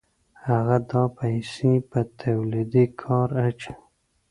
هغه دا پیسې په تولیدي کار اچوي